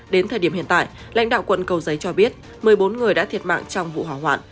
đến thời điểm hiện tại lãnh đạo quận cầu giấy cho biết một mươi bốn người đã thiệt mạng trong vụ hỏa hoạn